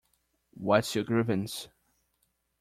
What’s your grievance?